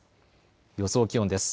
予想気温です。